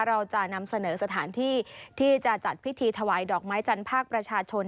เราจะนำเสนอสถานที่ที่จะจัดพิธีถวายดอกไม้จันทร์ภาคประชาชน